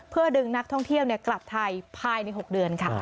เพื่อดึงนักท่องเที่ยวกลับไทยภายใน๖เดือนค่ะ